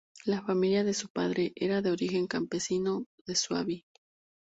La familia de su padre era de origen campesino de Suabia.